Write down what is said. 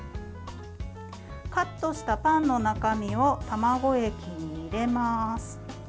カットしたパンの中身を卵液に入れます。